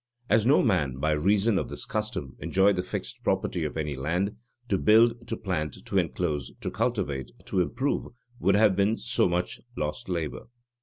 [] As no man, by reason of this custom, enjoyed the fixed property of any land; to build, to plant, to enclose, to cultivate, to improve, would have been so much lost labor.